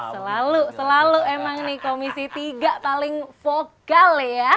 selalu selalu emang nih komisi tiga paling vokal ya